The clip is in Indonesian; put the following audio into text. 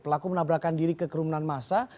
pelaku menabrakkan diri ke kerumunan masa